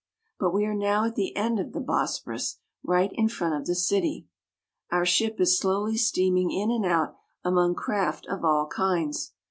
But we are now at the end of the Bosporus, right in front of the city. Our ship is slowly steaming in and out among craft of all kinds.